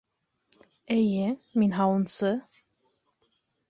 Эйе, мин һауынсы.